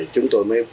chúng tôi mới